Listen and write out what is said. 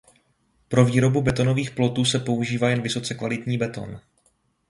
Pro výrobu betonových plotů se používá jen vysoce kvalitní beton.